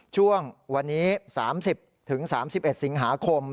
ช่วงวันนี้๓๐๓๑สิงหาคม